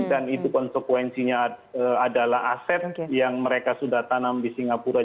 dan itu konsekuensinya adalah aset yang mereka sudah tanam di singapura